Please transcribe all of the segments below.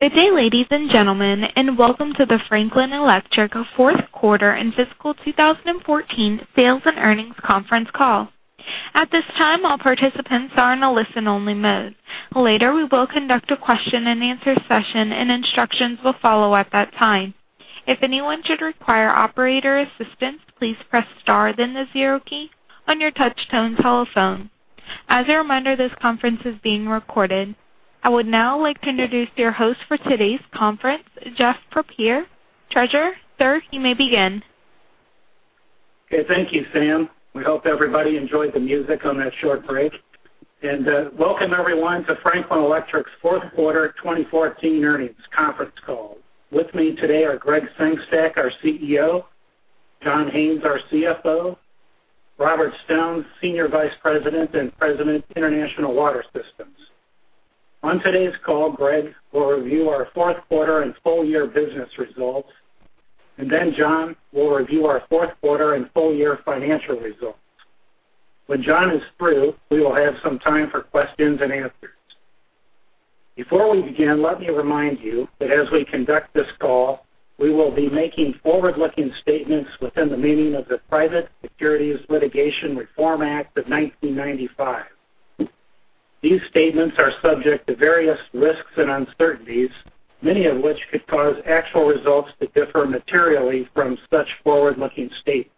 Good day, ladies and gentlemen, and welcome to the Franklin Electric fourth quarter and fiscal 2014 sales and earnings conference call. At this time, all participants are in a listen-only mode. Later, we will conduct a question-and-answer session, and instructions will follow at that time. If anyone should require operator assistance, please press star, then the zero key, on your touch-tone telephone. As a reminder, this conference is being recorded. I would now like to introduce your host for today's conference, Jeffery Taylor. Treasurer, sir, you may begin. Okay, thank you, Sam. We hope everybody enjoyed the music on that short break. And, welcome everyone to Franklin Electric's fourth quarter 2014 earnings conference call. With me today are Gregg Sengstack, our CEO. John Haines, our CFO. Robert Stone, senior vice president and president of International Water Systems. On today's call, Gregg will review our fourth quarter and full-year business results, and then John will review our fourth quarter and full-year financial results. When John is through, we will have some time for questions and answers. Before we begin, let me remind you that as we conduct this call, we will be making forward-looking statements within the meaning of the Private Securities Litigation Reform Act of 1995. These statements are subject to various risks and uncertainties, many of which could cause actual results to differ materially from such forward-looking statements.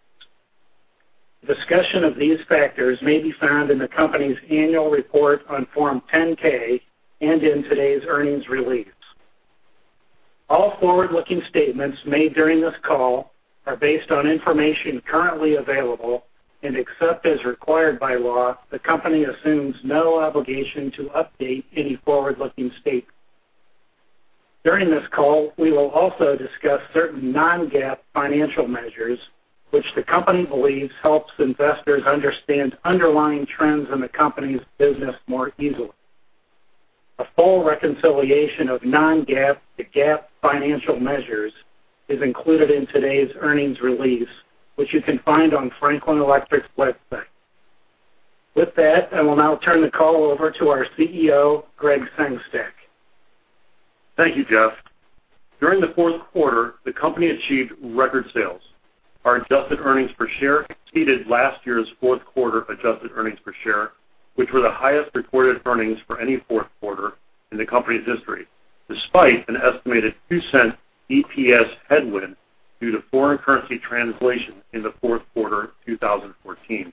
Discussion of these factors may be found in the company's annual report on Form 10-K and in today's earnings release. All forward-looking statements made during this call are based on information currently available, and except as required by law, the company assumes no obligation to update any forward-looking statements. During this call, we will also discuss certain non-GAAP financial measures, which the company believes helps investors understand underlying trends in the company's business more easily. A full reconciliation of non-GAAP to GAAP financial measures is included in today's earnings release, which you can find on Franklin Electric's website. With that, I will now turn the call over to our CEO, Gregg Sengstack. Thank you, Jeff. During the fourth quarter, the company achieved record sales. Our adjusted earnings per share exceeded last year's fourth quarter adjusted earnings per share, which were the highest recorded earnings for any fourth quarter in the company's history, despite an estimated $0.02 EPS headwind due to foreign currency translation in the fourth quarter 2014.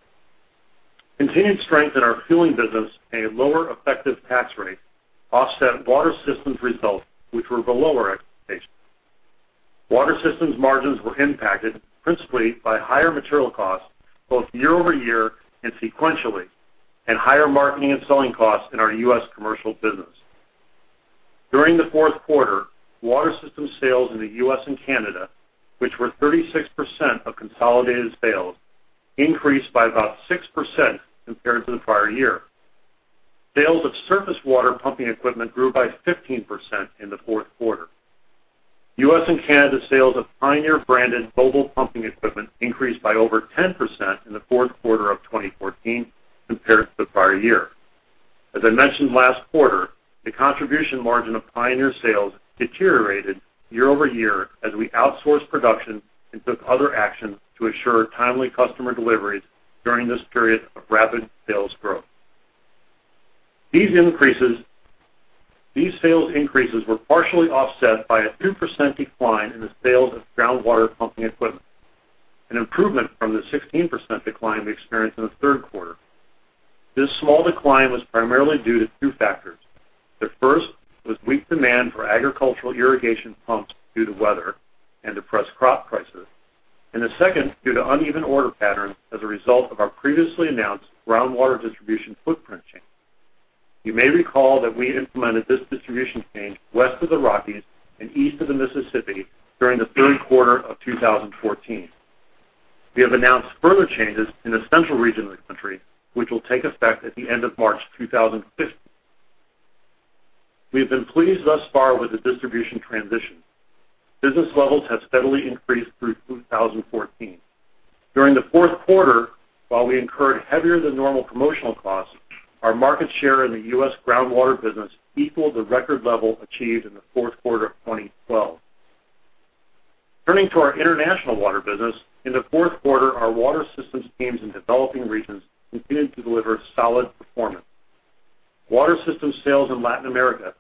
Continued strength in our fueling business and a lower effective tax rate offset Water Systems' results, which were below our expectations. Water Systems' margins were impacted, principally by higher material costs both year-over-year and sequentially, and higher marketing and selling costs in our U.S. commercial business. During the fourth quarter, Water Systems' sales in the U.S. and Canada, which were 36% of consolidated sales, increased by about 6% compared to the prior year. Sales of surface water pumping equipment grew by 15% in the fourth quarter. U.S. Canada sales of Pioneer branded mobile pumping equipment increased by over 10% in the fourth quarter of 2014 compared to the prior year. As I mentioned last quarter, the contribution margin of Pioneer sales deteriorated year-over-year as we outsourced production and took other actions to assure timely customer deliveries during this period of rapid sales growth. These sales increases were partially offset by a 2% decline in the sales of groundwater pumping equipment, an improvement from the 16% decline we experienced in the third quarter. This small decline was primarily due to two factors. The first was weak demand for agricultural irrigation pumps due to weather and depressed crop prices, and the second due to uneven order patterns as a result of our previously announced groundwater distribution footprint change. You may recall that we implemented this distribution change west of the Rockies and east of the Mississippi during the third quarter of 2014. We have announced further changes in the central region of the country, which will take effect at the end of March 2015. We have been pleased thus far with the distribution transition. Business levels have steadily increased through 2014. During the fourth quarter, while we incurred heavier-than-normal promotional costs, our market share in the U.S. groundwater business equaled the record level achieved in the fourth quarter of 2012. Turning to our international water business, in the fourth quarter, our Water Systems teams in developing regions continued to deliver solid performance. Water Systems sales in Latin America,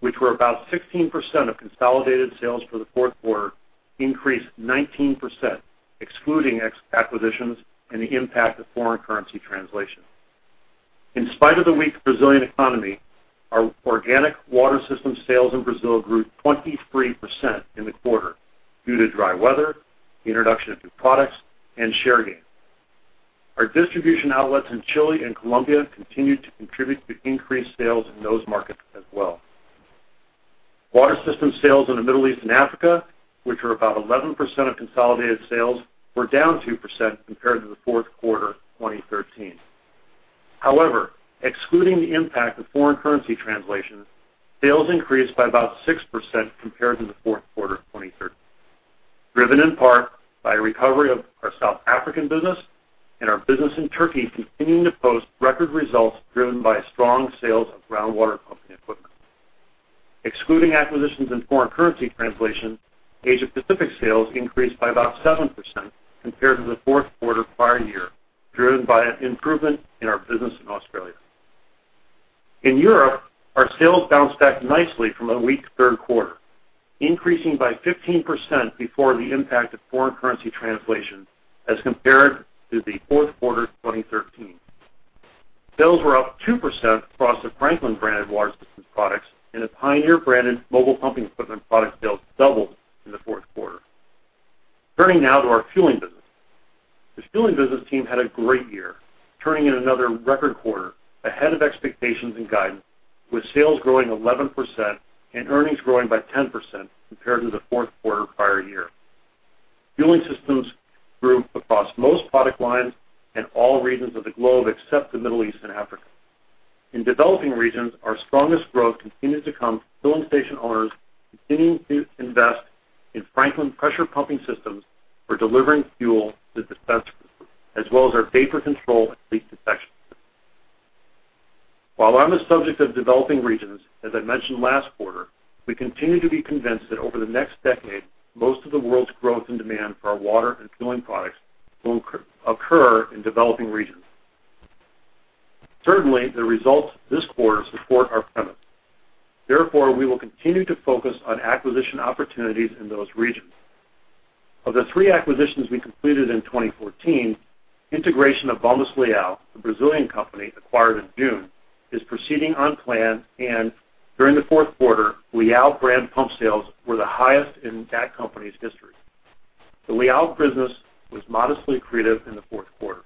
which were about 16% of consolidated sales for the fourth quarter, increased 19%, excluding ex acquisitions and the impact of foreign currency translation. In spite of the weak Brazilian economy, our organic Water Systems sales in Brazil grew 23% in the quarter due to dry weather, the introduction of new products, and share gain. Our distribution outlets in Chile and Colombia continued to contribute to increased sales in those markets as well. Water Systems sales in the Middle East and Africa, which were about 11% of consolidated sales, were down 2% compared to the fourth quarter of 2013. However, excluding the impact of foreign currency translation, sales increased by about 6% compared to the fourth quarter of 2013, driven in part by a recovery of our South African business and our business in Turkey continuing to post record results driven by strong sales of groundwater pumping equipment. Excluding acquisitions in foreign currency translation, Asia Pacific sales increased by about 7% compared to the fourth quarter prior year, driven by an improvement in our business in Australia. In Europe, our sales bounced back nicely from a weak third quarter, increasing by 15% before the impact of foreign currency translation as compared to the fourth quarter of 2013. Sales were up 2% across the Franklin branded Water Systems products, and its Pioneer branded mobile pumping equipment product sales doubled in the fourth quarter. Turning now to our fueling business. The fueling business team had a great year, turning in another record quarter ahead of expectations and guidance, with sales growing 11% and earnings growing by 10% compared to the fourth quarter prior year. Fueling systems grew across most product lines in all regions of the globe except the Middle East and Africa. In developing regions, our strongest growth continued to come from filling station owners continuing to invest in Franklin pressure pumping systems for delivering fuel to the dispensers, as well as our vapor control and leak detection systems. While on the subject of developing regions, as I mentioned last quarter, we continue to be convinced that over the next decade, most of the world's growth in demand for our water and fueling products will increasingly occur in developing regions. Certainly, the results this quarter support our premise. Therefore, we will continue to focus on acquisition opportunities in those regions. Of the three acquisitions we completed in 2014, integration of Bombas Leão, a Brazilian company acquired in June, is proceeding on plan, and during the fourth quarter, Leão brand pump sales were the highest in that company's history. The Leão business was modestly accretive in the fourth quarter.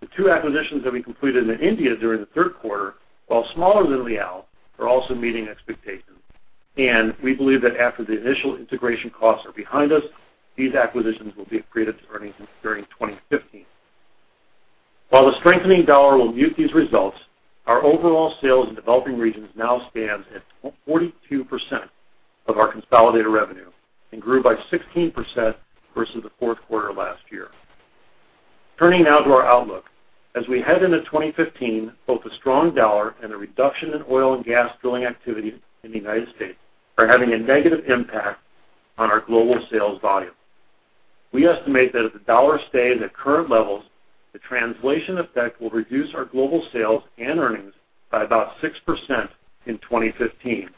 The two acquisitions that we completed in India during the third quarter, while smaller than Leão, are also meeting expectations, and we believe that after the initial integration costs are behind us, these acquisitions will be accretive to earnings during 2015. While the strengthening US dollar will mute these results, our overall sales in developing regions now stands at 42% of our consolidated revenue and grew by 16% versus the fourth quarter last year. Turning now to our outlook. As we head into 2015, both the strong US dollar and the reduction in oil and gas drilling activity in the United States are having a negative impact on our global sales volume. We estimate that if the US dollar stays at current levels, the translation effect will reduce our global sales and earnings by about 6% in 2015,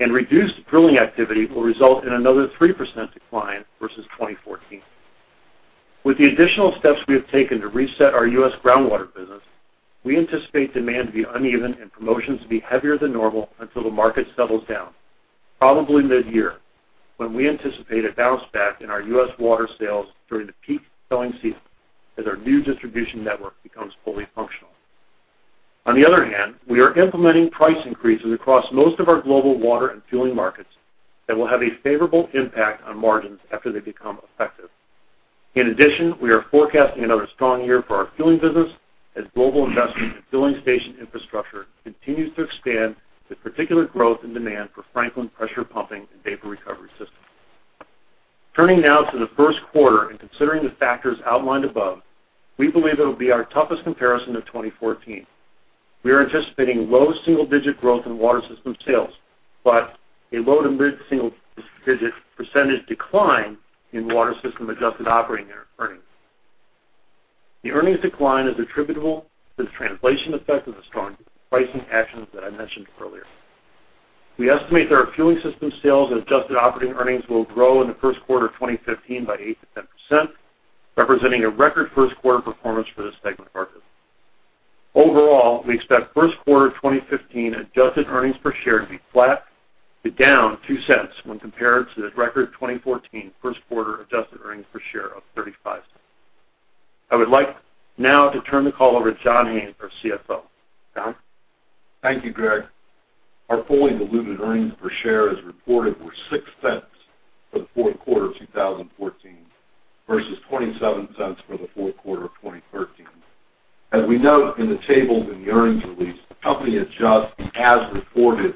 and reduced drilling activity will result in another 3% decline versus 2014. With the additional steps we have taken to reset our U.S. groundwater business, we anticipate demand to be uneven and promotions to be heavier than normal until the market settles down, probably mid-year, when we anticipate a bounce back in our U.S. water sales during the peak selling season as our new distribution network becomes fully functional. On the other hand, we are implementing price increases across most of our global water and fueling markets that will have a favorable impact on margins after they become effective. In addition, we are forecasting another strong year for our fueling business as global investment in filling station infrastructure continues to expand with particular growth in demand for Franklin pressure pumping and vapor recovery systems. Turning now to the first quarter and considering the factors outlined above, we believe it'll be our toughest comparison of 2014. We are anticipating low single-digit growth in Water Systems sales, but a low- to mid-single-digit % decline in Water Systems adjusted operating earnings. The earnings decline is attributable to the translation effect of the strong pricing actions that I mentioned earlier. We estimate that our fueling system sales and adjusted operating earnings will grow in the first quarter of 2015 by 8%-10%, representing a record first quarter performance for this segment of our business. Overall, we expect first quarter 2015 adjusted earnings per share to be flat, to down $0.02 when compared to the record 2014 first quarter adjusted earnings per share of $0.35. I would like now to turn the call over to John Haines, our CFO. John? Thank you, Gregg. Our fully diluted earnings per share, as reported, were $0.06 for the fourth quarter of 2014 versus $0.27 for the fourth quarter of 2013. As we note in the tables in the earnings release, the company adjusts the as-reported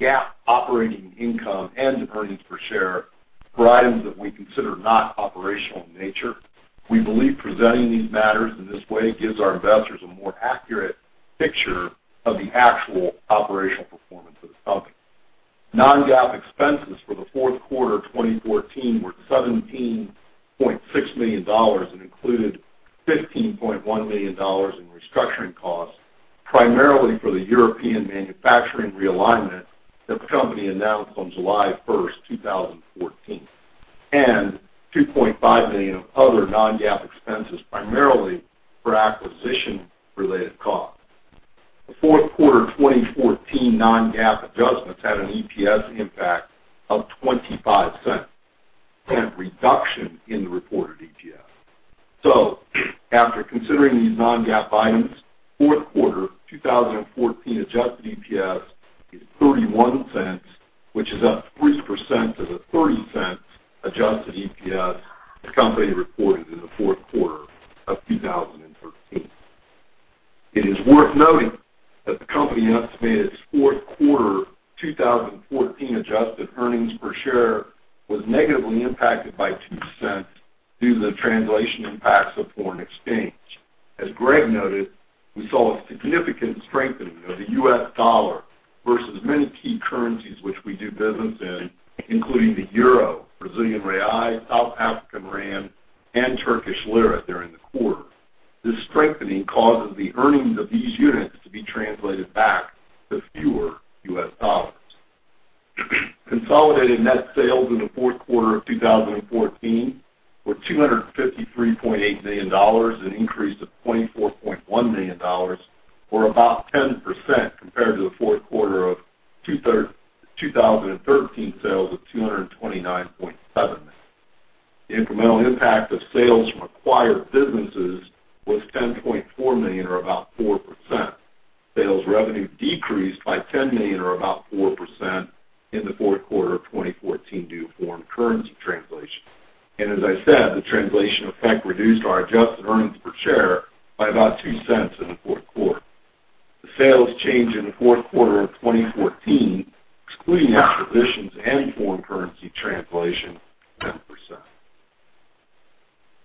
GAAP operating income and earnings per share for items that we consider not operational in nature. We believe presenting these matters in this way gives our investors a more accurate picture of the actual operational performance of the company. Non-GAAP expenses for the fourth quarter of 2014 were $17.6 million and included $15.1 million in restructuring costs, primarily for the European manufacturing realignment that the company announced on July 1st, 2014, and $2.5 million of other non-GAAP expenses, primarily for acquisition-related costs. The fourth quarter 2014 non-GAAP adjustments had an EPS impact of $0.25, a reduction in the reported EPS. After considering these non-GAAP items, fourth quarter 2014 adjusted EPS is $0.31, which is up 3% to the $0.30 adjusted EPS the company reported in the fourth quarter of 2013. It is worth noting that the company estimated its fourth quarter 2014 adjusted earnings per share was negatively impacted by $0.02 due to the translation impacts of foreign exchange. As Gregg noted, we saw a significant strengthening of the U.S. dollar versus many key currencies which we do business in, including the euro, Brazilian reais, South African rand, and Turkish lira during the quarter. This strengthening causes the earnings of these units to be translated back to fewer U.S. dollars. Consolidated net sales in the fourth quarter of 2014 were $253.8 million, an increase of $24.1 million, or about 10% compared to the fourth quarter of 2013 sales of $229.7 million. The incremental impact of sales from acquired businesses was $10.4 million, or about 4%. Sales revenue decreased by $10 million, or about 4%, in the fourth quarter of 2014 due to foreign currency translation. As I said, the translation effect reduced our adjusted earnings per share by about $0.02 in the fourth quarter. The sales change in the fourth quarter of 2014, excluding acquisitions and foreign currency translation, was 10%.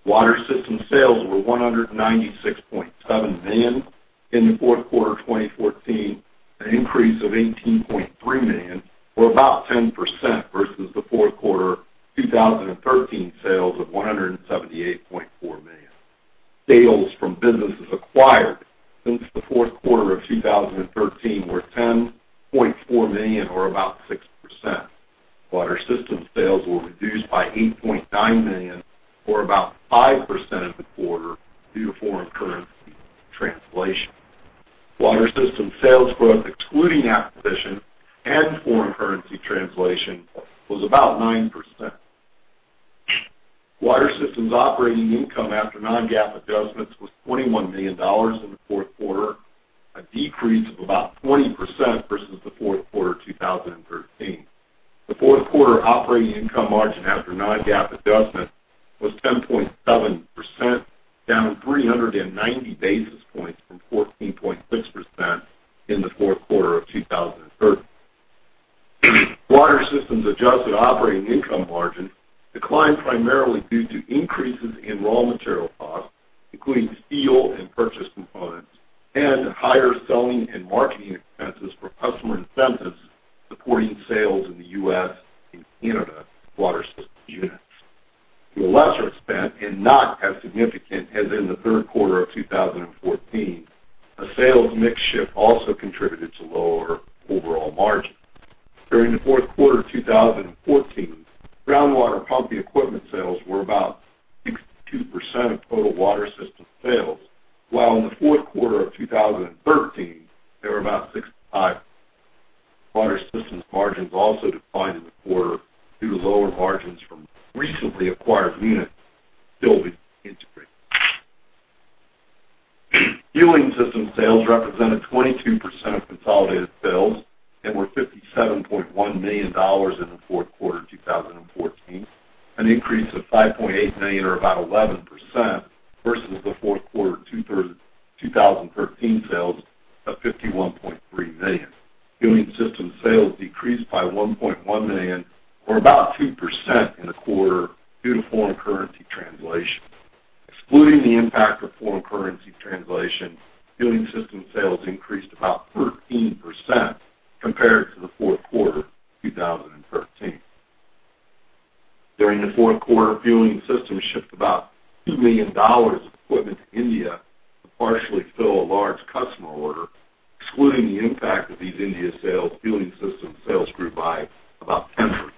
Water Systems sales were $196.7 million in the fourth quarter of 2014, an increase of $18.3 million, or about 10% versus the fourth quarter 2013 sales of $178.4 million. Sales from businesses acquired since the fourth quarter of 2013 were $10.4 million, or about 6%. Water Systems sales were reduced by $8.9 million, or about 5% of the quarter, due to foreign currency translation. Water Systems sales growth, excluding acquisitions and foreign currency translation, was about 9%. Water Systems operating income after non-GAAP adjustments was $21 million in the fourth quarter, a decrease of about 20% versus the fourth quarter of 2013. The fourth quarter operating income margin after non-GAAP adjustments was 10.7%, down 390 basis points from 14.6% in the fourth quarter of 2013. Water Systems adjusted operating income margin declined primarily due to increases in raw material costs, including steel and purchase components, and higher selling and marketing expenses for customer incentives supporting sales in the U.S. and Canada Water Systems units. To a lesser extent, and not as significant as in the third quarter of 2014, a sales mix shift also contributed to lower overall margins. During the fourth quarter of 2014, groundwater pumping equipment sales were about 62% of total Water Systems sales, while in the fourth quarter of 2013, they were about 65%. Water Systems margins also declined in the quarter due to lower margins from recently acquired units still being integrated. Fueling system sales represented 22% of consolidated sales and were $57.1 million in the fourth quarter of 2014, an increase of $5.8 million, or about 11%, versus the fourth quarter 2013 sales of $51.3 million. Fueling system sales decreased by $1.1 million, or about 2%, in the quarter due to foreign currency translation. Excluding the impact of foreign currency translation, fueling system sales increased about 13% compared to the fourth quarter of 2013. During the fourth quarter, fueling systems shipped about $2 million of equipment to India to partially fill a large customer order, excluding the impact of these India sales, fueling systems sales grew by about 10%.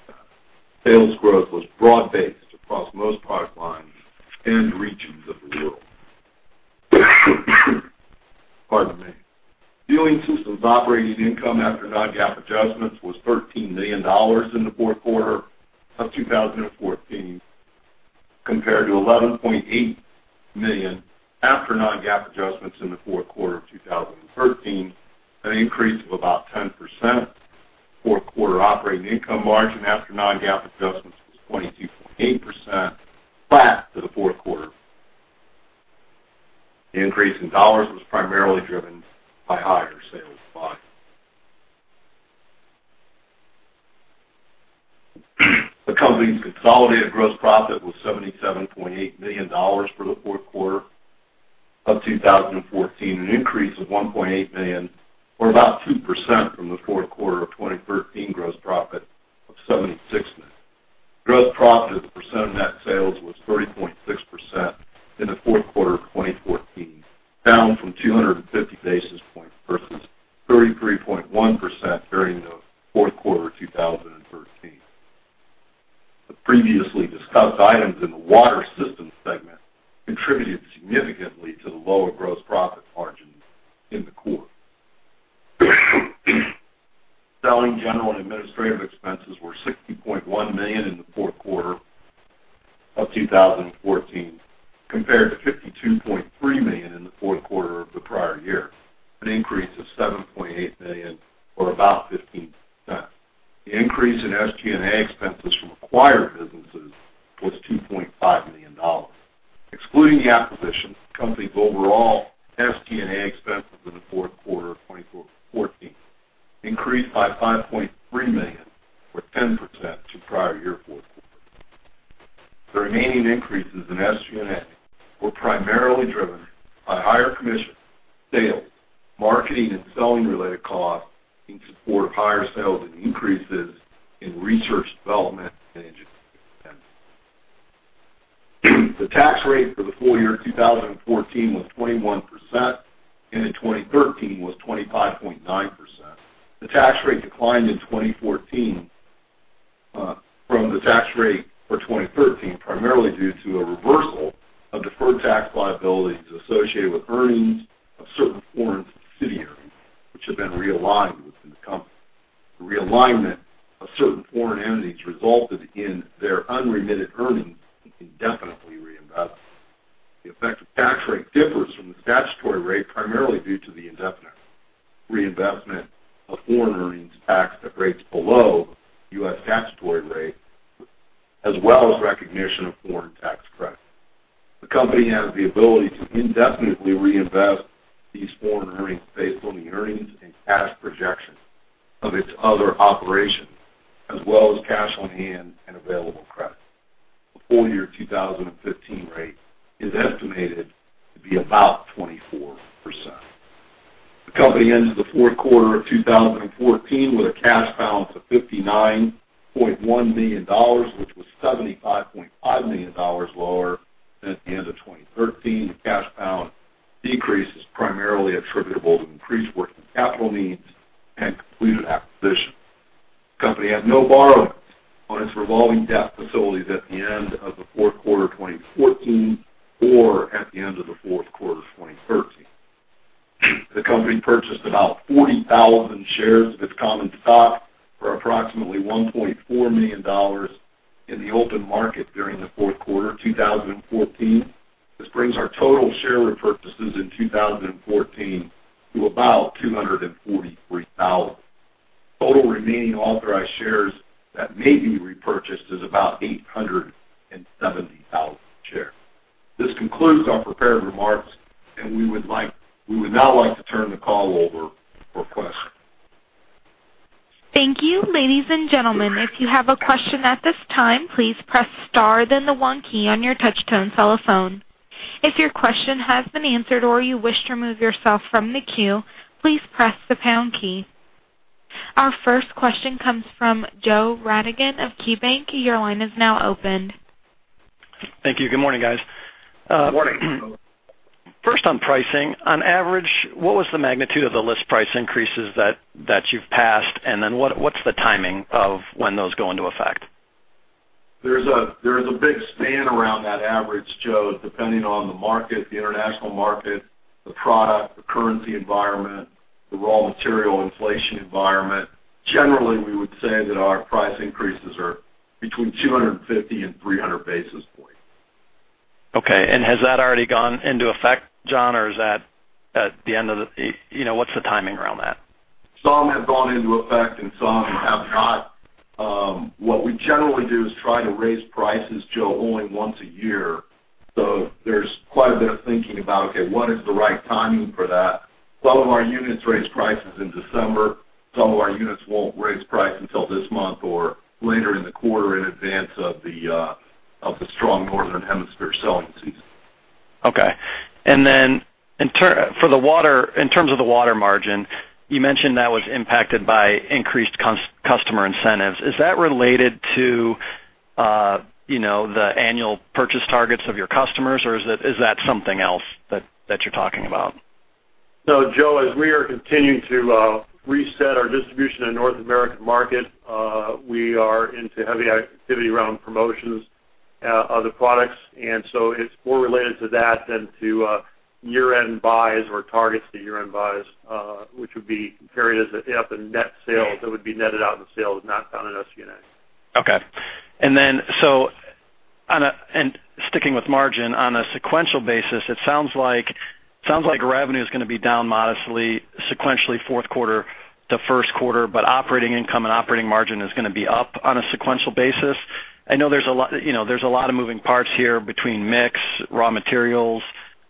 Sales growth was broad-based across most product lines and regions of the world. Pardon me. Fueling Systems operating income after non-GAAP adjustments was $13 million in the fourth quarter of 2014 compared to $11.8 million after non-GAAP adjustments in the fourth quarter of 2013, an increase of about 10%. Fourth quarter operating income margin after non-GAAP adjustments was 22.8%, flat to the fourth quarter. The increase in dollars was primarily driven by higher sales volume. The company's consolidated gross profit was $77.8 million for the fourth quarter of 2014, an increase of $1.8 million, or about 2%, from the fourth quarter of 2013 gross profit of $76 million. Gross profit as a percent of net sales was 30.6% in the fourth quarter of 2014, down from 250 basis points versus 33.1% during the fourth quarter of 2013. The previously discussed items in the Water Systems segment contributed significantly to the lower gross profit margin in the quarter. Selling, general, and administrative expenses were $60.1 million in the fourth quarter of 2014 compared to $52.3 million in the fourth quarter of the prior year, an increase of $7.8 million, or about 15%. The increase in SG&A expenses from acquired businesses was $2.5 million. Excluding the acquisitions, the company's overall SG&A expenses in the fourth quarter of 2014 increased by $5.3 million, or 10%, to prior year fourth quarter. The remaining increases in SG&A were primarily driven by higher commission, sales, marketing, and selling-related costs in support of higher sales and increases in research, development, and engineering expenses. The tax rate for the full year 2014 was 21%, and in 2013 was 25.9%. The tax rate declined in 2014 from the tax rate for 2013 primarily due to a reversal of deferred tax liabilities associated with earnings of certain foreign subsidiaries, which have been realigned within the company. The realignment of certain foreign entities resulted in their unremitted earnings indefinitely reinvested. The effect of tax rate differs from the statutory rate primarily due to the indefinite reinvestment of foreign earnings tax at rates below U.S. statutory rate, as well as recognition of foreign tax credit. The company has the ability to indefinitely reinvest these foreign earnings based on the earnings and cash projections of its other operations, as well as cash on hand and available credit. The full year 2015 rate is estimated to be about 24%. The company ended the fourth quarter of 2014 with a cash balance of $59.1 million, which was $75.5 million lower than at the end of 2013. The cash balance decrease is primarily attributable to increased working capital needs and completed acquisitions. The company had no borrowings on its revolving debt facilities at the end of the fourth quarter of 2014 or at the end of the fourth quarter of 2013. The company purchased about 40,000 shares of its common stock for approximately $1.4 million in the open market during the fourth quarter of 2014. This brings our total share repurchases in 2014 to about 243,000. Total remaining authorized shares that may be repurchased is about 870,000 shares. This concludes our prepared remarks, and we would now like to turn the call over for questions. Thank you. Ladies and gentlemen, if you have a question at this time, please press star then the one key on your touch-tone cell phone. If your question has been answered or you wish to remove yourself from the queue, please press the pound key. Our first question comes from Joe Radigan of KeyBanc. Your line is now opened. Thank you. Good morning, guys. Good morning. First, on pricing. On average, what was the magnitude of the list price increases that you've passed, and then what's the timing of when those go into effect? There's a big span around that average, Joe, depending on the market, the international market, the product, the currency environment, the raw material inflation environment. Generally, we would say that our price increases are between 250 and 300 basis points. Okay. Has that already gone into effect, John, or is that at the end of the—what's the timing around that? Some have gone into effect and some have not. What we generally do is try to raise prices, Joe, only once a year. So there's quite a bit of thinking about, "Okay, what is the right timing for that?" Some of our units raise prices in December. Some of our units won't raise price until this month or later in the quarter in advance of the strong northern hemisphere selling season. Okay. And then for the water in terms of the water margin, you mentioned that was impacted by increased customer incentives. Is that related to the annual purchase targets of your customers, or is that something else that you're talking about? So, Joe, as we are continuing to reset our distribution in the North American market, we are into heavy activity around promotions of the products. And so it's more related to that than to year-end buys or targets to year-end buys, which would be carried as inventory, and net sales. It would be netted out in sales, not down in SG&A. Okay. And then so on a and sticking with margin, on a sequential basis, it sounds like revenue is going to be down modestly, sequentially fourth quarter to first quarter, but operating income and operating margin is going to be up on a sequential basis. I know there's a lot there's a lot of moving parts here between mix, raw materials,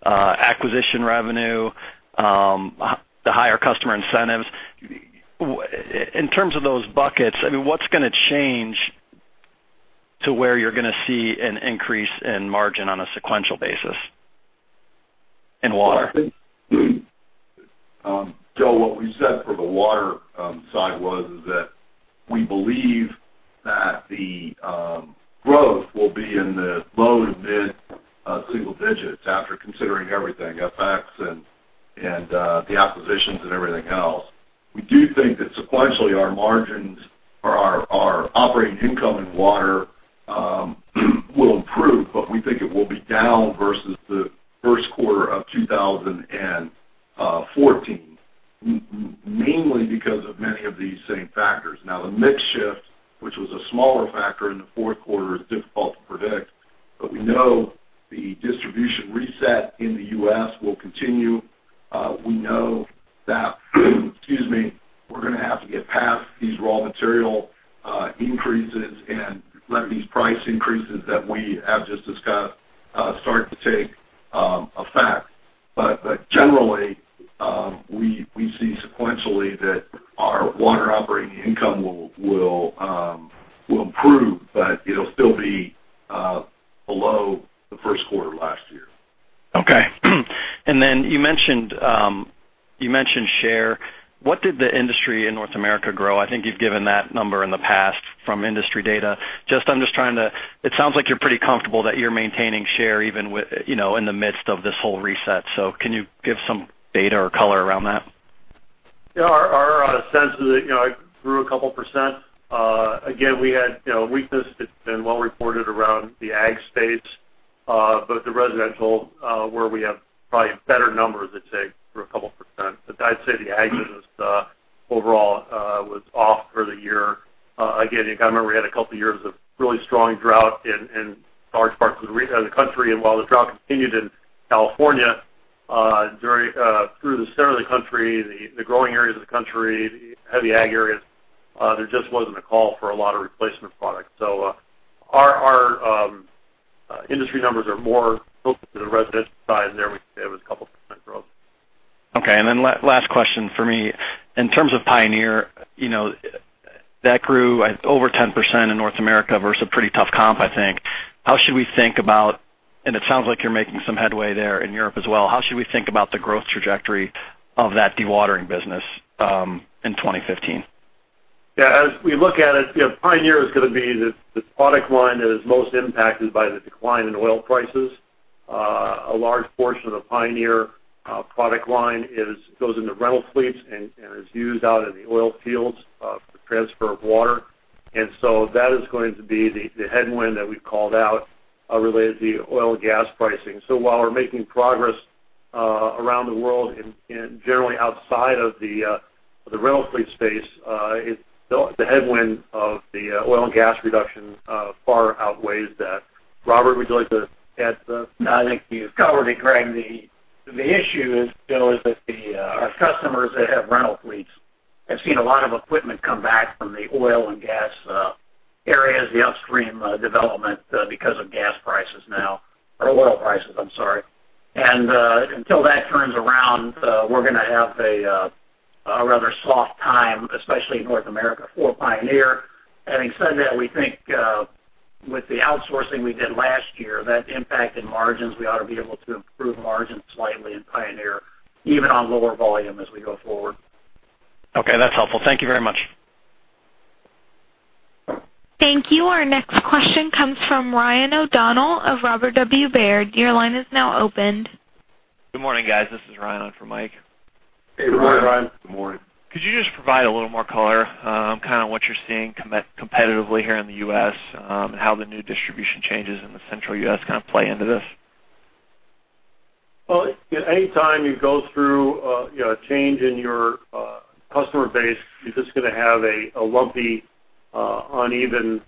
acquisition revenue, the higher customer incentives. In terms of those buckets, I mean, what's going to change to where you're going to see an increase in margin on a sequential basis in water? Joe, what we said for the water side was that we believe that the growth will be in the low to mid single digits after considering everything, FX and the acquisitions and everything else. We do think that sequentially, our margins or our operating income in water will improve, but we think it will be down versus the first quarter of 2014, mainly because of many of these same factors. Now, the mix shift, which was a smaller factor in the fourth quarter, is difficult to predict, but we know the distribution reset in the U.S. will continue. We know that - excuse me - we're going to have to get past these raw material increases and let these price increases that we have just discussed start to take effect. Generally, we see sequentially that our water operating income will improve, but it'll still be below the first quarter last year. Okay. And then you mentioned share. What did the industry in North America grow? I think you've given that number in the past from industry data. I'm just trying to. It sounds like you're pretty comfortable that you're maintaining share even in the midst of this whole reset. So can you give some data or color around that? Yeah. Our sense is that it grew a couple%. Again, we had weakness that's been well-reported around the ag space, but the residential, where we have probably better numbers, I'd say, grew a couple%. But I'd say the ag business overall was off for the year. Again, you got to remember we had a couple years of really strong drought in large parts of the country. And while the drought continued in California, through the center of the country, the growing areas of the country, the heavy ag areas, there just wasn't a call for a lot of replacement products. So our industry numbers are more tilted to the residential side, and there we could say it was a couple% growth. Okay. And then last question for me. In terms of Pioneer, that grew over 10% in North America versus a pretty tough comp, I think. How should we think about, and it sounds like you're making some headway there in Europe as well. How should we think about the growth trajectory of that dewatering business in 2015? Yeah. As we look at it, Pioneer is going to be the product line that is most impacted by the decline in oil prices. A large portion of the Pioneer product line goes into rental fleets and is used out in the oil fields for transfer of water. And so that is going to be the headwind that we've called out related to the oil and gas pricing. So while we're making progress around the world and generally outside of the rental fleet space, the headwind of the oil and gas reduction far outweighs that. Robert, would you like to add to the? No, I think you've covered it, Gregg. The issue is, Joe, is that our customers that have rental fleets have seen a lot of equipment come back from the oil and gas areas, the upstream development because of gas prices now or oil prices, I'm sorry. Until that turns around, we're going to have a rather soft time, especially in North America. For Pioneer, having said that, we think with the outsourcing we did last year, that impacted margins. We ought to be able to improve margins slightly in Pioneer, even on lower volume, as we go forward. Okay. That's helpful. Thank you very much. Thank you. Our next question comes from Ryan O'Donnell of Robert W. Baird. Your line is now opened. Good morning, guys. This is Ryan on for Mike. Hey, Ryan. Hey, Ryan. Good morning. Could you just provide a little more color on kind of what you're seeing competitively here in the U.S. and how the new distribution changes in the central U.S. kind of play into this? Well, anytime you go through a change in your customer base, you're just going to have a lumpy, uneven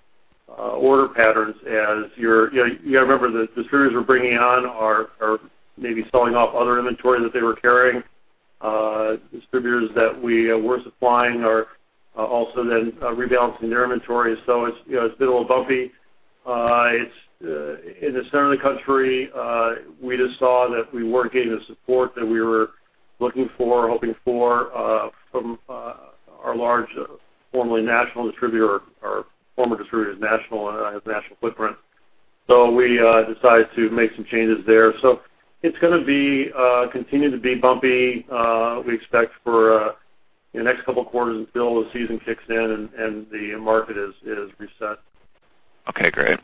order pattern as you got to remember, the distributors we're bringing on are maybe selling off other inventory that they were carrying. Distributors that we were supplying are also then rebalancing their inventory. So it's been a little bumpy. In the center of the country, we just saw that we weren't getting the support that we were looking for, hoping for, from our large former national distributor. Our former distributor is national and has a national footprint. So we decided to make some changes there. So it's going to continue to be bumpy. We expect for the next couple quarters until the season kicks in and the market is reset. Okay. Great.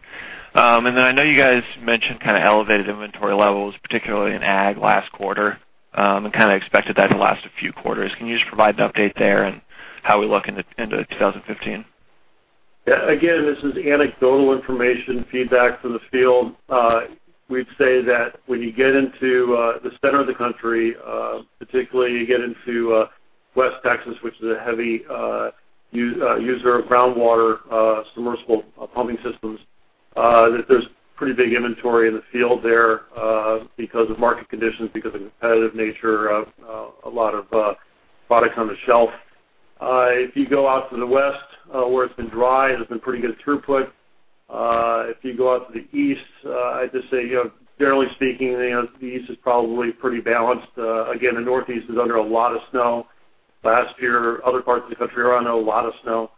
And then I know you guys mentioned kind of elevated inventory levels, particularly in ag last quarter, and kind of expected that to last a few quarters. Can you just provide an update there and how we look into 2015? Yeah. Again, this is anecdotal information, feedback from the field. We'd say that when you get into the center of the country, particularly you get into West Texas, which is a heavy user of groundwater submersible pumping systems, that there's pretty big inventory in the field there because of market conditions, because of competitive nature, a lot of products on the shelf. If you go out to the West, where it's been dry, there's been pretty good throughput. If you go out to the East, I'd just say, generally speaking, the East is probably pretty balanced. Again, the Northeast is under a lot of snow. Last year, other parts of the country were under a lot of snow.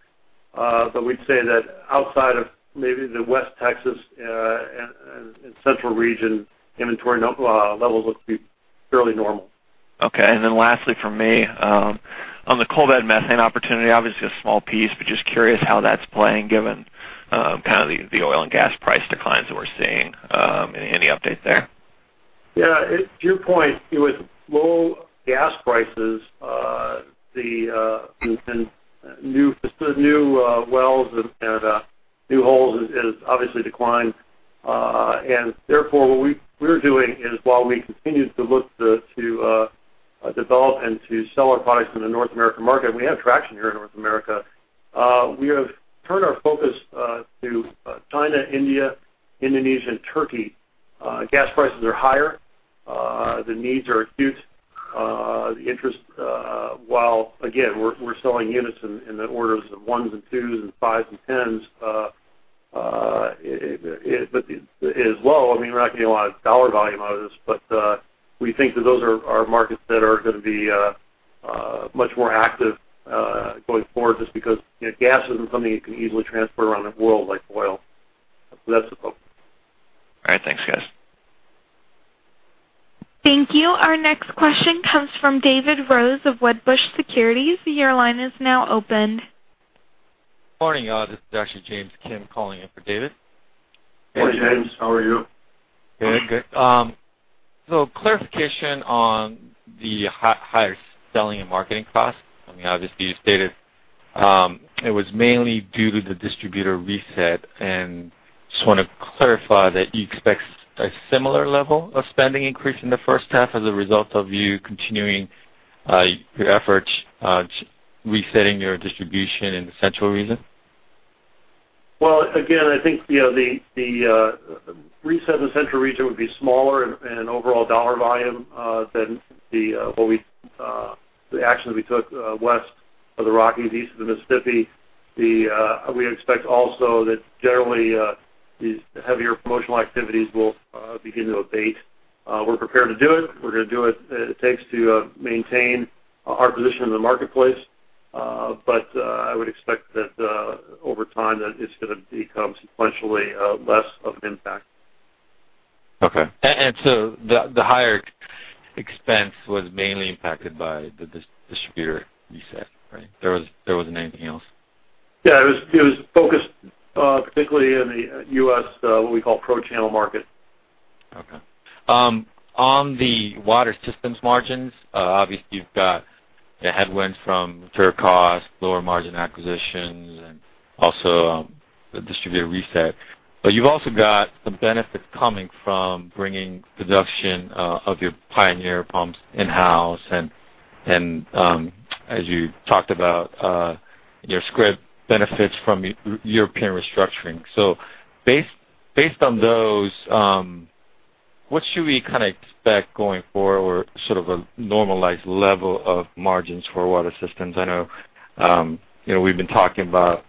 But we'd say that outside of maybe the West Texas and central region, inventory levels look to be fairly normal. Okay. And then lastly from me, on the coal-bed methane opportunity, obviously a small piece, but just curious how that's playing given kind of the oil and gas price declines that we're seeing. Any update there? Yeah. To your point, with low gas prices, the new wells and new holes have obviously declined. And therefore, what we're doing is, while we continue to look to develop and to sell our products in the North American market - and we have traction here in North America - we have turned our focus to China, India, Indonesia, and Turkey. Gas prices are higher. The needs are acute. The interest while again, we're selling units in the orders of ones and twos and fives and tens, but it is low. I mean, we're not getting a lot of dollar volume out of this, but we think that those are markets that are going to be much more active going forward just because gas isn't something you can easily transport around the world like oil. So that's the focus. All right. Thanks, guys. Thank you. Our next question comes from David Rose of Wedbush Securities. Your line is now opened. Good morning, y'all. This is actually James Kim calling in for David. Hey, James. How are you? Good. Good. So clarification on the higher selling and marketing costs. I mean, obviously, you stated it was mainly due to the distributor reset. And just want to clarify that you expect a similar level of spending increase in the first half as a result of you continuing your efforts resetting your distribution in the central region? Well, again, I think the reset in the central region would be smaller in overall dollar volume than the actions we took west of the Rockies, east of the Mississippi. We expect also that generally, these heavier promotional activities will begin to abate. We're prepared to do it. We're going to do what it takes to maintain our position in the marketplace. But I would expect that over time, that it's going to become sequentially less of an impact. Okay. And so the higher expense was mainly impacted by the distributor reset, right? There wasn't anything else? Yeah. It was focused particularly in the U.S., what we call pro-channel market. Okay. On the water systems margins, obviously, you've got a headwind from freight cost, lower margin acquisitions, and also the distributor reset. But you've also got some benefits coming from bringing production of your Pioneer pumps in-house. And as you talked about in your script, benefits from European restructuring. So based on those, what should we kind of expect going forward or sort of a normalized level of margins for water systems? I know we've been talking about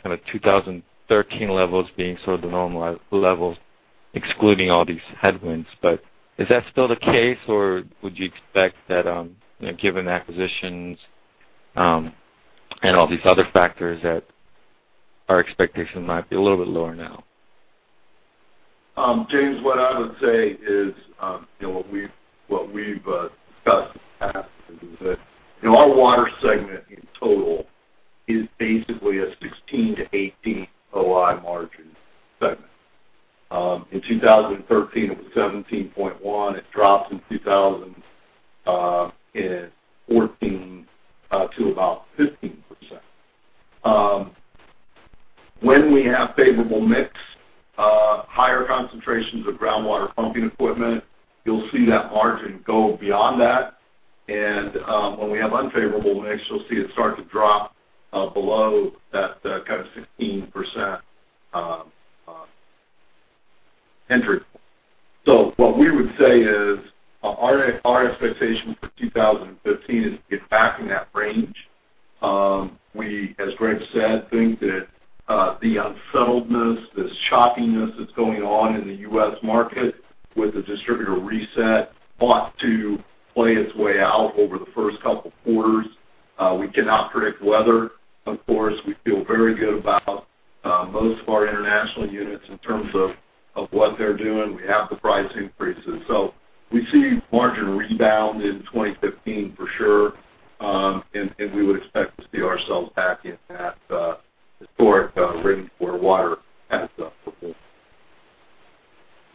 kind of 2013 levels being sort of the normalized levels, excluding all these headwinds. But is that still the case, or would you expect that, given acquisitions and all these other factors, that our expectations might be a little bit lower now? James, what I would say is what we've discussed in the past is that our water segment in total is basically a 16%-18% OI margin segment. In 2013, it was 17.1%. It dropped in 2014 to about 15%. When we have favorable mix, higher concentrations of groundwater pumping equipment, you'll see that margin go beyond that. And when we have unfavorable mix, you'll see it start to drop below that kind of 16% entry point. So what we would say is our expectation for 2015 is to get back in that range. We, as Gregg said, think that the unsettledness, this shockiness that's going on in the U.S. market with the distributor reset ought to play its way out over the first couple quarters. We cannot predict weather. Of course, we feel very good about most of our international units in terms of what they're doing. We have the price increases. So we see margin rebound in 2015 for sure, and we would expect to see ourselves back in that historic range where water has performed.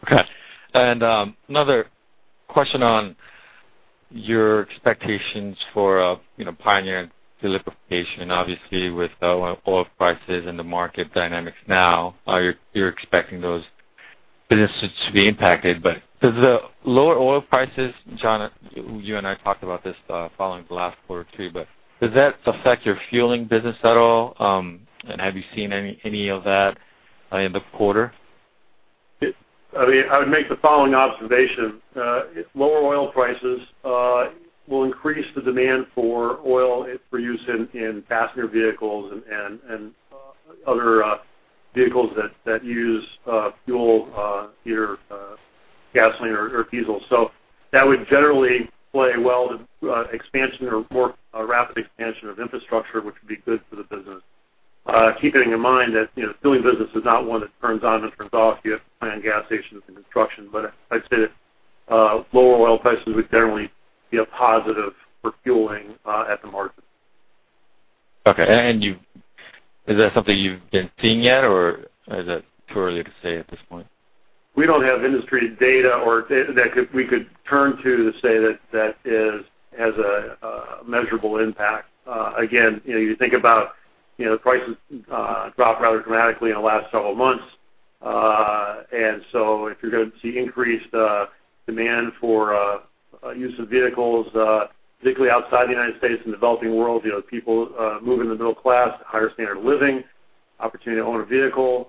Okay. And another question on your expectations for Pioneer and deliquification. Obviously, with oil prices and the market dynamics now, you're expecting those businesses to be impacted. But does the lower oil prices, John, you and I talked about this following the last quarter too, but does that affect your fueling business at all? And have you seen any of that in the quarter? I mean, I would make the following observation. Lower oil prices will increase the demand for oil for use in passenger vehicles and other vehicles that use fuel, either gasoline or diesel. So that would generally play well to expansion or more rapid expansion of infrastructure, which would be good for the business, keeping in mind that the fueling business is not one that turns on and turns off. You have to plan gas stations and construction. But I'd say that lower oil prices would generally be a positive for fueling at the market. Okay. And is that something you've been seeing yet, or is it too early to say at this point? We don't have industry data that we could turn to to say that has a measurable impact. Again, you think about the prices dropped rather dramatically in the last several months. And so if you're going to see increased demand for use of vehicles, particularly outside the United States and developing world, people moving to the middle class, higher standard of living, opportunity to own a vehicle,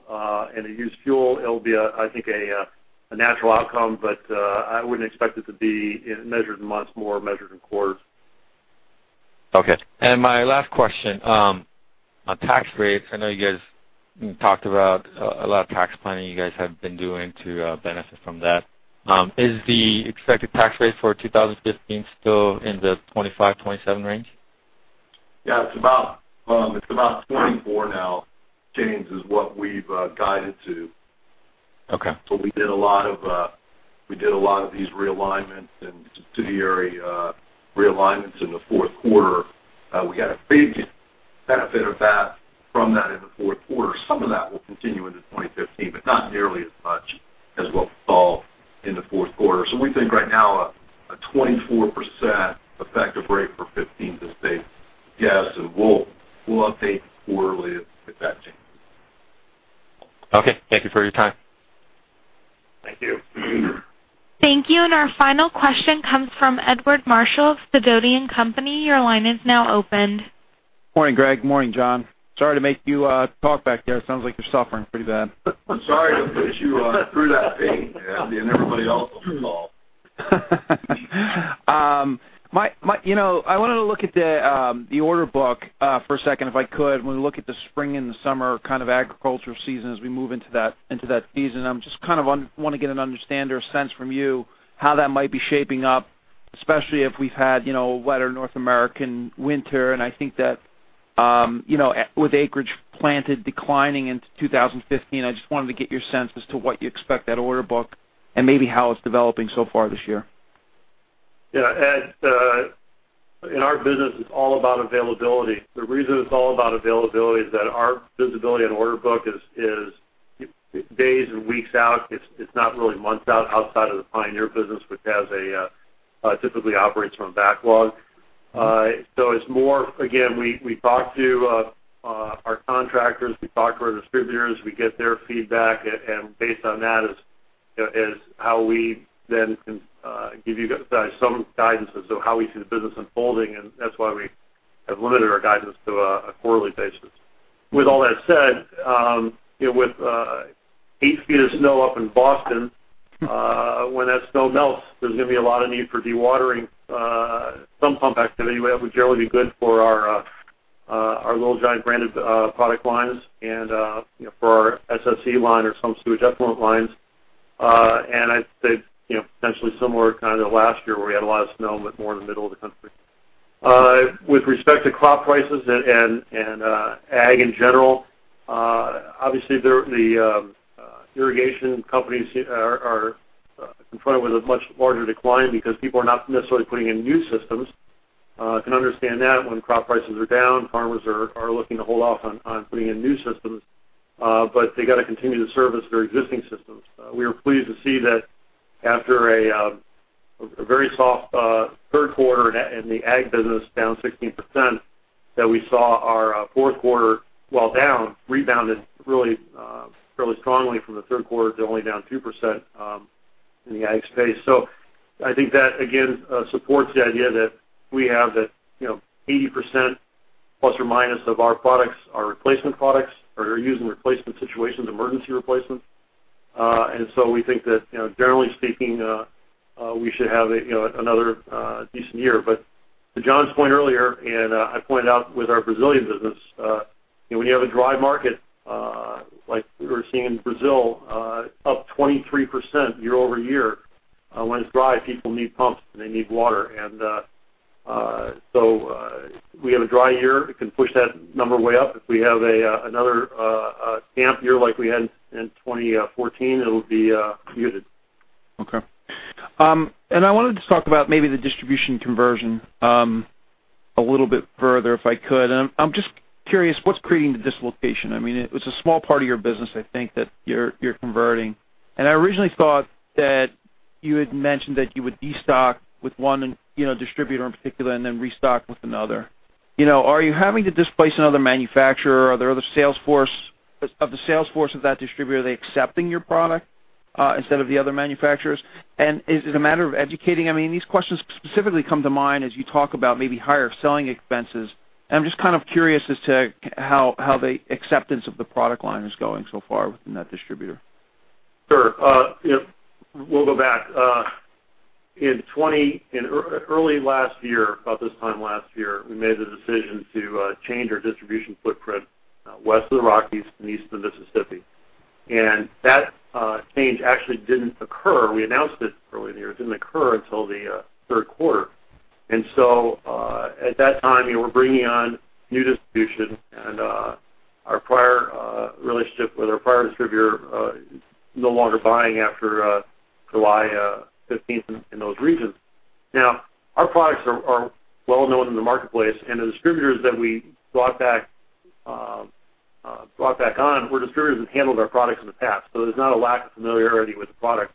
and to use fuel, it'll be, I think, a natural outcome. But I wouldn't expect it to be measured in months, more measured in quarters. Okay. And my last question on tax rates. I know you guys talked about a lot of tax planning you guys have been doing to benefit from that. Is the expected tax rate for 2015 still in the 25%-27% range? Yeah. It's about 24 now. Change is what we've guided to. So we did a lot of these realignments and subsidiary realignments in the fourth quarter. We got a big benefit from that in the fourth quarter. Some of that will continue into 2015, but not nearly as much as what we saw in the fourth quarter. So we think right now a 24% effective rate for 2015 to states. Yes. We'll update quarterly if that changes. Okay. Thank you for your time. Thank you. Thank you. And our final question comes from Edward Marshall of Sidoti & Company. Your line is now open. Morning, Gregg. Morning, John. Sorry to make you talk back there. It sounds like you're suffering pretty bad. I'm sorry to put you through that pain. Yeah. Everybody else on the call. I wanted to look at the order book for a second, if I could, when we look at the spring and the summer kind of agriculture season as we move into that season. I just kind of want to get an understanding or sense from you how that might be shaping up, especially if we've had a wetter North American winter. I think that with acreage planted declining into 2015, I just wanted to get your sense as to what you expect that order book and maybe how it's developing so far this year. Yeah. In our business, it's all about availability. The reason it's all about availability is that our visibility in order book is days and weeks out. It's not really months out outside of the Pioneer business, which typically operates from a backlog. So it's more again, we talk to our contractors. We talk to our distributors. We get their feedback. And based on that is how we then can give you some guidance as to how we see the business unfolding. And that's why we have limited our guidance to a quarterly basis. With all that said, with 8 feet of snow up in Boston, when that snow melts, there's going to be a lot of need for dewatering, some pump activity. That would generally be good for our Little Giant branded product lines and for our SSE line or some sewage effluent lines. I'd say potentially similar kind of to last year where we had a lot of snow but more in the middle of the country. With respect to crop prices and ag in general, obviously, the irrigation companies are confronted with a much larger decline because people are not necessarily putting in new systems. I can understand that when crop prices are down. Farmers are looking to hold off on putting in new systems. But they got to continue to service their existing systems. We were pleased to see that after a very soft third quarter and the ag business down 16%, that we saw our fourth quarter, while down, rebounded really fairly strongly from the third quarter to only down 2% in the ag space. So I think that, again, supports the idea that we have that 80% ± of our products are replacement products or are used in replacement situations, emergency replacements. And so we think that, generally speaking, we should have another decent year. But to John's point earlier, and I pointed out with our Brazilian business, when you have a dry market like we were seeing in Brazil, up 23% year-over-year. When it's dry, people need pumps, and they need water. And so we have a dry year. It can push that number way up. If we have another damp year like we had in 2014, it'll be muted. Okay. I wanted to talk about maybe the distribution conversion a little bit further, if I could. I'm just curious, what's creating the dislocation? I mean, it's a small part of your business, I think, that you're converting. I originally thought that you had mentioned that you would destock with one distributor in particular and then restock with another. Are you having to displace another manufacturer? Are there other salesforce of the salesforce of that distributor, are they accepting your product instead of the other manufacturers? Is it a matter of educating? I mean, these questions specifically come to mind as you talk about maybe higher selling expenses. I'm just kind of curious as to how the acceptance of the product line is going so far within that distributor. Sure. We'll go back. In early last year, about this time last year, we made the decision to change our distribution footprint west of the Rockies and east of the Mississippi. And that change actually didn't occur. We announced it early in the year. It didn't occur until the third quarter. And so at that time, we're bringing on new distribution. And our prior relationship with our prior distributor is no longer buying after July 15th in those regions. Now, our products are well known in the marketplace. And the distributors that we brought back on were distributors that handled our products in the past. So there's not a lack of familiarity with the product.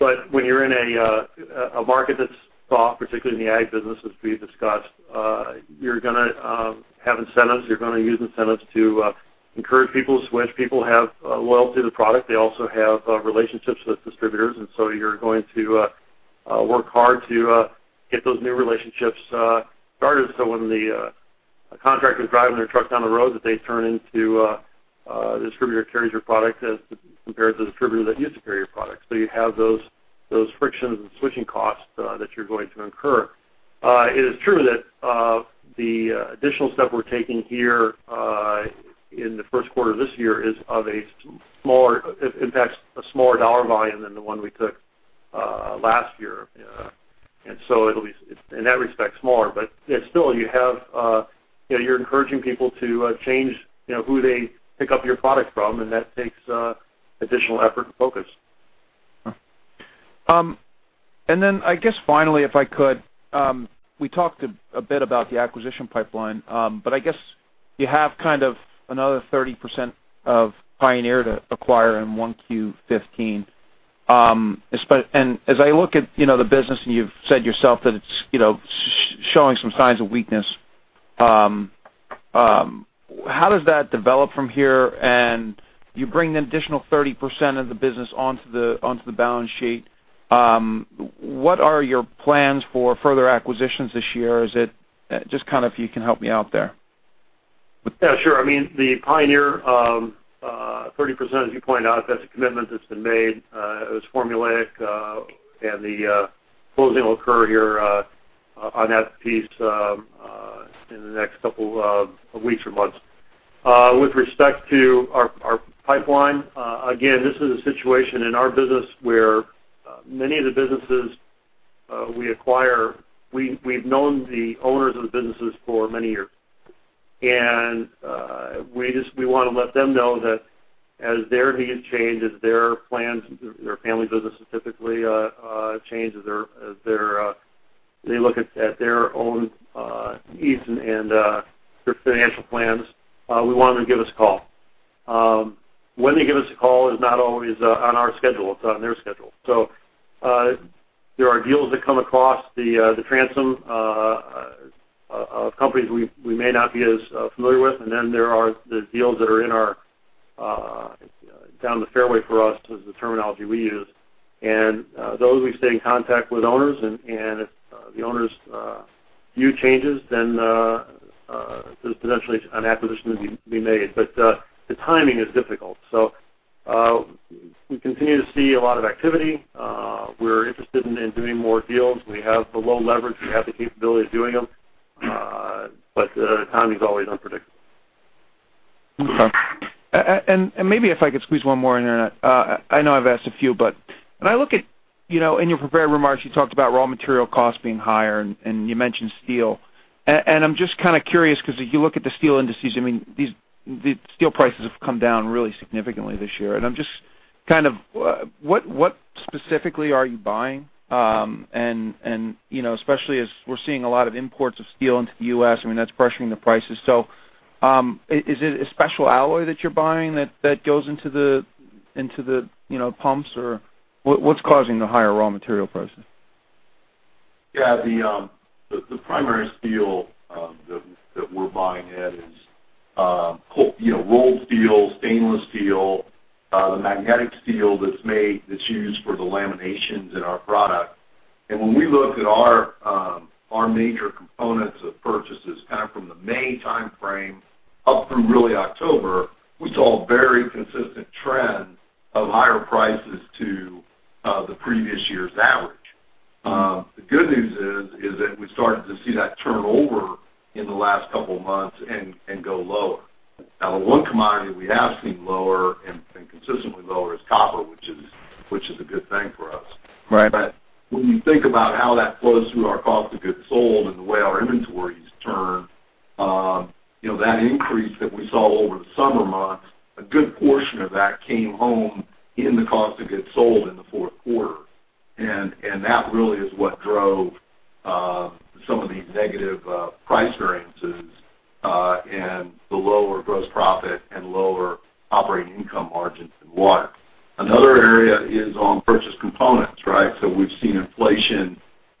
But when you're in a market that's soft, particularly in the ag business, as we've discussed, you're going to have incentives. You're going to use incentives to encourage people to switch. People have loyalty to the product. They also have relationships with distributors. And so you're going to work hard to get those new relationships started. So when the contractor's driving their truck down the road, that they turn into the distributor that carries your product as compared to the distributor that used to carry your product. So you have those frictions and switching costs that you're going to incur. It is true that the additional step we're taking here in the first quarter of this year is of a smaller, it impacts a smaller dollar volume than the one we took last year. And so it'll be, in that respect, smaller. But still, you're encouraging people to change who they pick up your product from. And that takes additional effort and focus. Then I guess finally, if I could, we talked a bit about the acquisition pipeline. I guess you have kind of another 30% of Pioneer to acquire in 1Q2015. As I look at the business, and you've said yourself that it's showing some signs of weakness, how does that develop from here? You bring an additional 30% of the business onto the balance sheet. What are your plans for further acquisitions this year? Just kind of if you can help me out there. Yeah. Sure. I mean, the Pioneer 30%, as you point out, that's a commitment that's been made. It was formulaic. The closing will occur here on that piece in the next couple of weeks or months. With respect to our pipeline, again, this is a situation in our business where many of the businesses we acquire we've known the owners of the businesses for many years. We want to let them know that as their needs change, as their plans their family businesses typically change, as they look at their own needs and their financial plans, we want them to give us a call. When they give us a call is not always on our schedule. It's on their schedule. So there are deals that come across the transom of companies we may not be as familiar with. And then there are the deals that are down the fairway for us, is the terminology we use. And those we stay in contact with owners. And if the owner's view changes, then there's potentially an acquisition to be made. But the timing is difficult. So we continue to see a lot of activity. We're interested in doing more deals. We have the low leverage. We have the capability of doing them. But timing's always unpredictable. Okay. Maybe if I could squeeze one more in it. I know I've asked a few, but. And I look at in your prepared remarks, you talked about raw material costs being higher. And you mentioned steel. And I'm just kind of curious because if you look at the steel indices, I mean, the steel prices have come down really significantly this year. And I'm just kind of what specifically are you buying? And especially as we're seeing a lot of imports of steel into the U.S., I mean, that's pressuring the prices. So is it a special alloy that you're buying that goes into the pumps, or what's causing the higher raw material prices? Yeah. The primary steel that we're buying it is rolled steel, stainless steel, the magnetic steel that's used for the laminations in our product. And when we look at our major components of purchases kind of from the May timeframe up through really October, we saw a very consistent trend of higher prices to the previous year's average. The good news is that we started to see that turnover in the last couple of months and go lower. Now, the one commodity we have seen lower and consistently lower is copper, which is a good thing for us. But when you think about how that flows through our cost of goods sold and the way our inventories turn, that increase that we saw over the summer months, a good portion of that came home in the cost of goods sold in the fourth quarter. And that really is what drove some of these negative price variances and the lower gross profit and lower operating income margins in water. Another area is on purchased components, right? So we've seen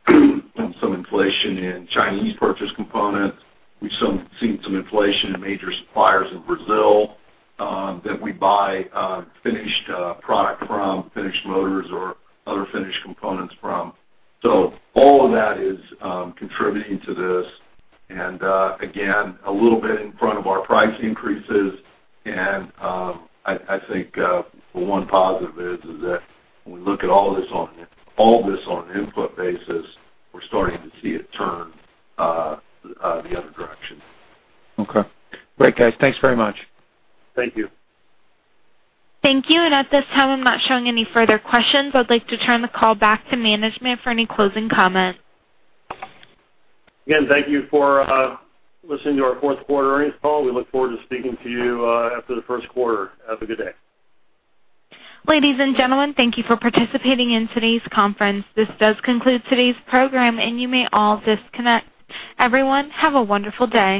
some inflation in Chinese purchased components. We've seen some inflation in major suppliers in Brazil that we buy finished product from, finished motors or other finished components from. So all of that is contributing to this. And again, a little bit in front of our price increases. And I think the one positive is that when we look at all this on an input basis, we're starting to see it turn the other direction. Okay. Great, guys. Thanks very much. Thank you. Thank you. At this time, I'm not showing any further questions. I'd like to turn the call back to management for any closing comments. Again, thank you for listening to our fourth quarter earnings call. We look forward to speaking to you after the first quarter. Have a good day. Ladies and gentlemen, thank you for participating in today's conference. This does conclude today's program. You may all disconnect. Everyone, have a wonderful day.